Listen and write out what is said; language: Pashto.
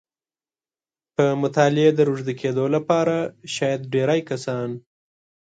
په مطالعې د روږدي کېدو لپاره شاید ډېری کسان